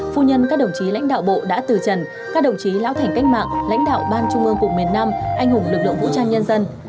phu nhân các đồng chí lãnh đạo bộ đã từ trần các đồng chí lão thành cách mạng lãnh đạo ban trung ương cục miền nam anh hùng lực lượng vũ trang nhân dân